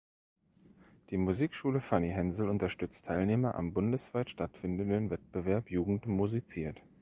Die Musikschule „Fanny Hensel“ unterstützt Teilnehmer am bundesweit stattfindenden Wettbewerb Jugend musiziert.